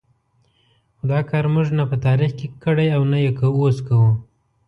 خو دا کار موږ نه په تاریخ کې کړی او نه یې اوس کوو.